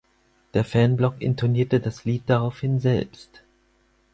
Der Fanblock intonierte das Lied daraufhin selbst.